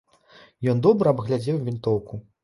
Ён добра абгледзеў вінтоўку.